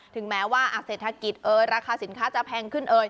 ถึงแม้ว่าเศรษฐกิจเอ่ยราคาสินค้าจะแพงขึ้นเอ่ย